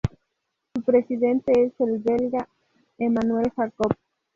Su presidente es el Belga, Emmanuel Jacob.